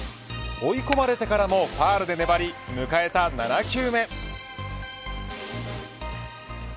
追い込まれてからもファウルで粘り迎えた７球目。